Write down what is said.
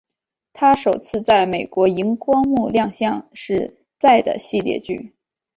她首次在美国萤光幕亮相是在的系列剧。